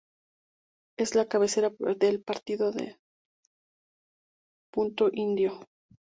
Es la cabecera del partido de Punta Indio.